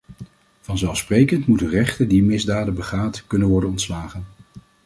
Vanzelfsprekend moet een rechter die misdaden begaat, kunnen worden ontslagen.